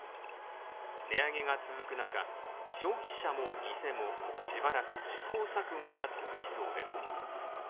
値上げが続く中、消費者も店もしばらく試行錯誤が続きそうです。